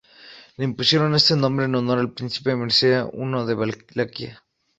Le impusieron ese nombre en honor del príncipe Mircea I de Valaquia.